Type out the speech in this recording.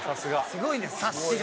すごいんです察しが。